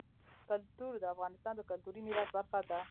کلتور د افغانستان د کلتوري میراث برخه ده.